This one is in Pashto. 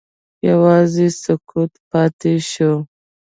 یوازې سکوت پاتې شو.